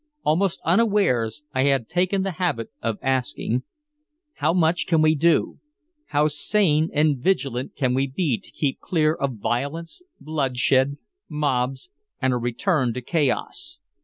Almost unawares I had taken the habit of asking: "How much can we do? How sane and vigilant can we be to keep clear of violence, bloodshed, mobs and a return to chaos?